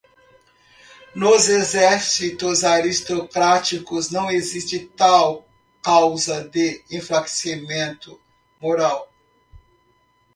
Nos exércitos aristocráticos não existe tal causa de enfraquecimento moral.